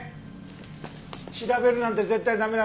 調べるなんて絶対駄目だからね。